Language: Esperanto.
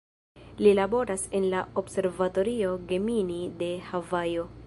Li laboras en la Observatorio Gemini de Havajo.